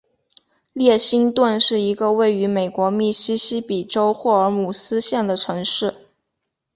列辛顿是一个位于美国密西西比州霍尔姆斯县的城市。